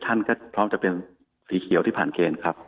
ท่านก็พร้อมจะเป็นสีเขียวที่ผ่านเกณฑ์ครับ